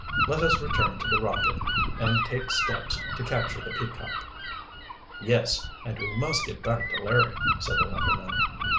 Let us return to the Rocket and take steps to capture the Peacock." "Yes, and we must get back to Larry," said the lumberman.